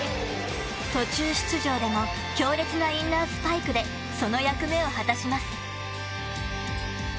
途中出場でも強烈なインナースパイクでその役目を果たします。